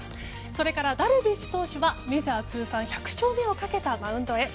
それからダルビッシュ投手はメジャー通算１００勝目をかけたマウンドへ。